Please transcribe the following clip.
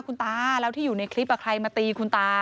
คุณตาแล้วที่อยู่ในคลิปใครมาตีคุณตา